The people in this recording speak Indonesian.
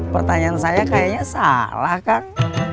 pertanyaan saya kayaknya salah kang